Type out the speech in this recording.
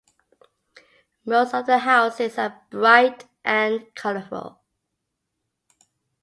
Most of the houses are bright and colourful.